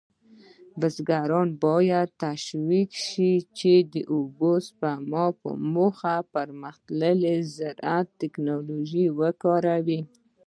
بزګران باید تشویق شي چې د اوبو سپما په موخه پرمختللې زراعتي تکنالوژي وکاروي.